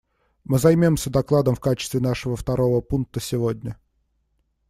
Мы займемся докладом в качестве нашего второго пункта сегодня.